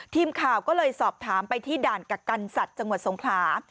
ทีมข่าวก็เลยสอบถามไปที่ด่านกักกันสัตว์จังหวัดสงขลา